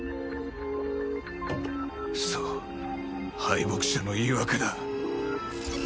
そう敗北者の言い訳だ